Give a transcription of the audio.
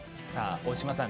大島さん